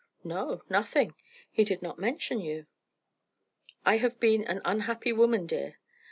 "No nothing. He did not mention you." "I have been an unhappy woman, dear."